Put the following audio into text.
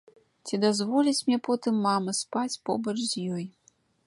Ці дазволіць мне потым мама спаць побач з ёй?